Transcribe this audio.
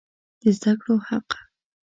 د زده کړو حق